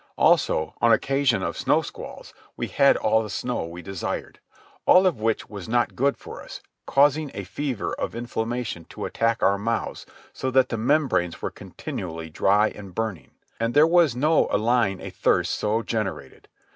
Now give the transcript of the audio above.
Also, on occasion of snow squalls, we had all the snow we desired. All of which was not good for us, causing a fever of inflammation to attack our mouths so that the membranes were continually dry and burning. And there was no allaying a thirst so generated.